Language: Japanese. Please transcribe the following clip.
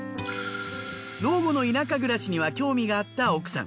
老後の田舎暮らしには興味があった奥さん。